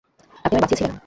আপনি আমায় বাঁচিয়েছেন?